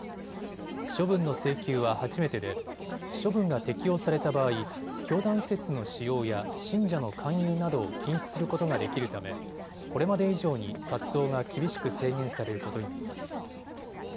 処分の請求は初めてで処分が適用された場合、教団施設の使用や信者の勧誘などを禁止することができるためこれまで以上に活動が厳しく制限されることになります。